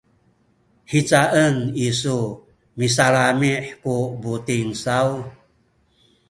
hicaen isu misalami’ ku buting saw?